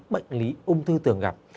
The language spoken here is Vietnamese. bệnh lý ung thư thường gặp